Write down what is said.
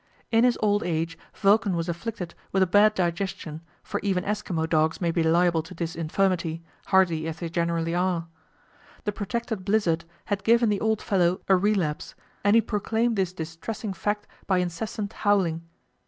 In his old age Vulcan was afflicted with a bad digestion, for even Eskimo dogs may be liable to this infirmity, hardy as they generally are. The protracted blizzard had given the old fellow a relapse, and he proclaimed this distressing fact by incessant howling.